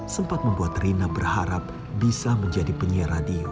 sempat membuat rina berharap bisa menjadi penyiar radio